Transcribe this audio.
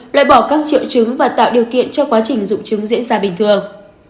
loại bỏ các triệu trứng và tạo điều kiện cho quá trình dụng trứng diễn ra bình thường